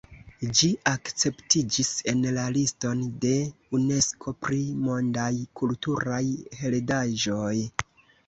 Ĝi akceptiĝis en la liston de Unesko pri mondaj kulturaj heredaĵoj.